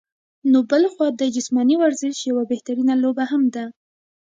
نو بلخوا د جسماني ورزش يوه بهترينه لوبه هم ده